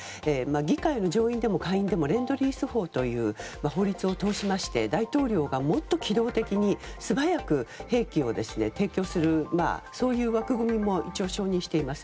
議会の上院でも下院でもレンドリー手法という法律を通しまして大統領がもっと機動的に素早く兵器を提供するそういう枠組みもしています。